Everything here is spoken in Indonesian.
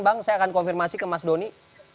bang saya akan konfirmasi ke mas doni